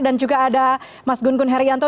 dan juga ada mas gun gun herianto